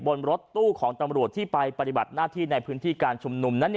บนรถตู้ของตำรวจที่ไปปฏิบัติหน้าที่ในพื้นที่การชุมนุมนั้น